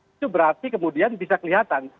itu berarti kemudian bisa kelihatan